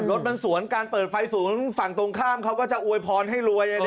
รถมันสวนการเปิดไฟสูงฝั่งตรงข้ามเขาก็จะอวยพรให้รวย